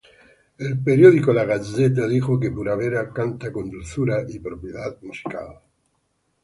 El periódico "La Gazzetta" dijo que Pura Vera canta con dulzura y propiedad musical.